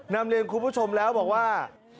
นำเรียนคุณผู้ชมแล้วบอกว่า